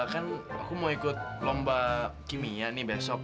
kan aku mau ikut lomba kimia nih besok